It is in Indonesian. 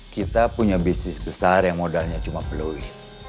kita punya bisnis besar yang modalnya cuma pluit